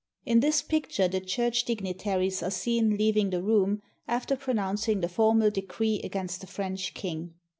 In this picture the Church dignitaries are seen leaving the room after pronouncing the formal decree against the French king.